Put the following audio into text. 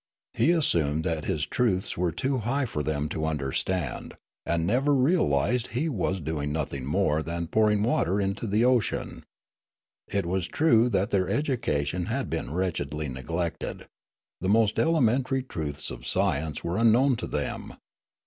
He assumed that his truths were too high for them to understand, and never realised that he was doing nothing more than pouring water into the ocean. It was true that their education had been wretch edl}^ neglected ; the most elementary truths of science were unknown to them.